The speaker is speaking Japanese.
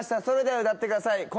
それでは歌ってください。